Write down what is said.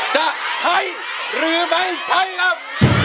จะใช้หรือไม่ใช้ครับ